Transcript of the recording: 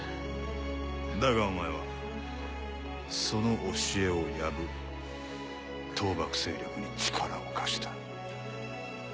だがお前はその教えを破り倒幕勢力に力を貸した。